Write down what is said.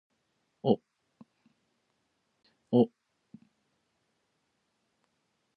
お